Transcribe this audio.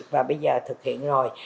và bây giờ thực hiện rồi